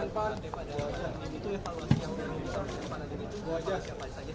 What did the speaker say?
mbak pistah mbak pistah